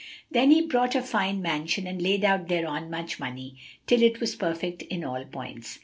Then he bought a fine mansion and laid out thereon much money, till it was perfect in all points.